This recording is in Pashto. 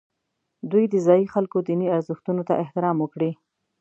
دوی د ځایي خلکو دیني ارزښتونو ته احترام وکړي.